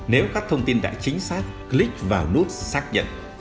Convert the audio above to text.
nếu các thông tin đã chính xác click vào nút xác nhận